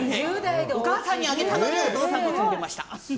お母さんにあげたのにお父さんが住んでました。